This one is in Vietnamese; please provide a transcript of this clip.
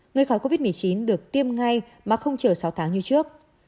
người khỏi covid một mươi chín được tiêm ngay mà không chờ sáu tháng như trước